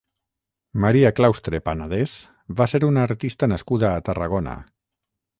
Maria Claustre Panadés va ser una artista nascuda a Tarragona.